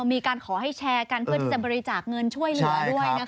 มีการขอให้แชร์กันเพื่อที่จะบริจาคเงินช่วยเหลือด้วยนะคะ